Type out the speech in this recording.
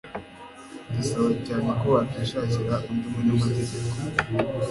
Ndasaba cyane ko wakwishakira undi munyamategeko